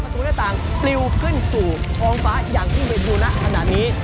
ตรงนี้ต่างปลิวขึ้นสู่ท้องฟ้าอย่างที่เมื่อทุนนะขนาดนี้